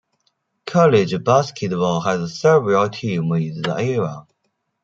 College basketball has several teams in the area.